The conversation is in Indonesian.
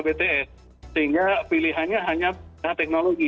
menambah bte sehingga pilihannya hanya teknologi